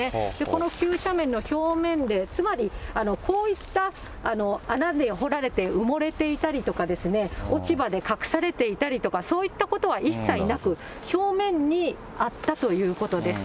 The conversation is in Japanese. この急斜面の表面で、つまりこういった穴で掘られて埋もれていたりですとか、落ち葉で隠されていたりとか、そういったことは一切なく、表面にあったということです。